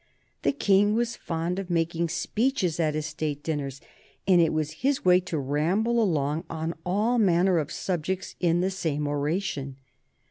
The King was fond of making speeches at his State dinners, and it was his way to ramble along on all manner of subjects in the same oration.